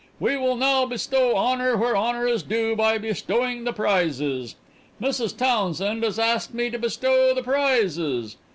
We will now bestow honor where honor is due by bestowing the prizes. Mrs. Townsend has asked me to bestow the prices.